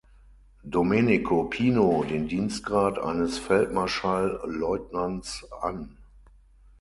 Domenico Pino den Dienstgrad eines Feldmarschallleutnants an.